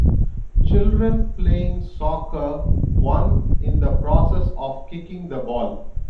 Children playing soccer, one in the process of kicking the ball.